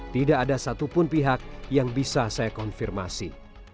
tidak ada satupun pihak yang bisa saya konfirmasi